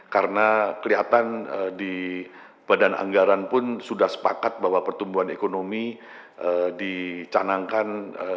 karena kelihatan di badan anggaran pun sudah sepakat bahwa pertumbuhan ekonomi dicanangkan lima satu